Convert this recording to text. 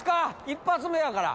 一発目やから。